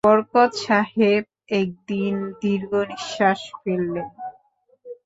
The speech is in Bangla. বরকত সাহেব একটি দীর্ঘনিঃশ্বাস ফেললেন।